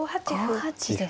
５八ですね。